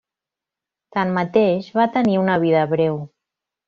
Tanmateix, va tenir una vida breu.